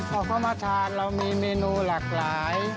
พอเขามาทานเรามีเมนูหลากหลาย